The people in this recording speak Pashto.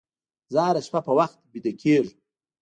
زه هره شپه په وخت ویده کېږم.